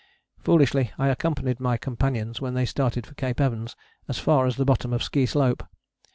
Foolishly I accompanied my companions, when they started for Cape Evans, as far as the bottom of Ski Slope.